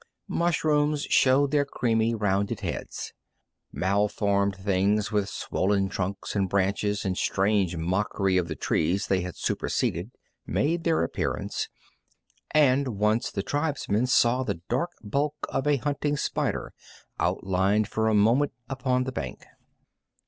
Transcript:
Mushrooms showed their creamy, rounded heads. Malformed things with swollen trunks and branches in strange mockery of the trees they had superseded made their appearance, and once the tribesmen saw the dark bulk of a hunting spider outlined for a moment upon the bank.